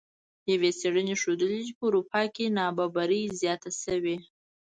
یوې څیړنې ښودلې چې په اروپا کې نابرابري زیاته شوې